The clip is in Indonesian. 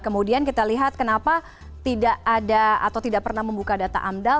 kemudian kita lihat kenapa tidak ada atau tidak pernah membuka data amdal